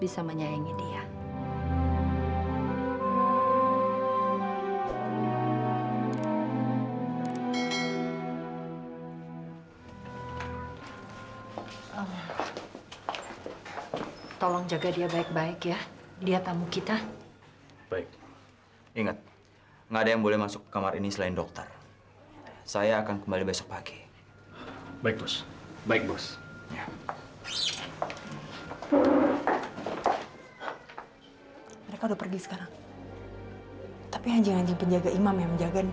sampai jumpa di video selanjutnya